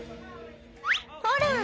「ほら！